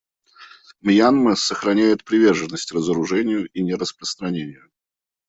Мьянма сохраняет приверженность разоружению и нераспространению.